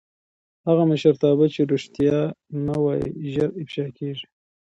هغه مشرتابه چې رښتیا نه وايي ژر افشا کېږي